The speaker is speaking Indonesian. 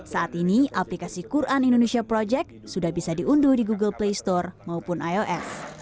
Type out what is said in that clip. saat ini aplikasi quran indonesia project sudah bisa diunduh di google play store maupun iof